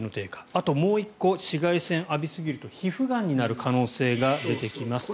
あともう１個紫外線を浴びすぎると皮膚がんになる可能性が出てきます。